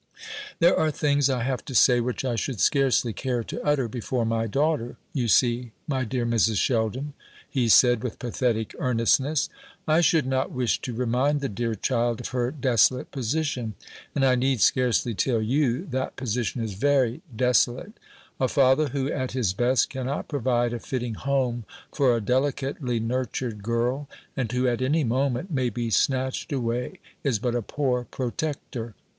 "There are things I have to say which I should scarcely care to utter before my daughter, you see, my dear Mrs. Sheldon," he said, with pathetic earnestness. "I should not wish to remind the dear child of her desolate position; and I need scarcely tell you that position is very desolate. A father who, at his best, cannot provide a fitting home for a delicately nurtured girl, and who at any moment may be snatched away, is but a poor protector.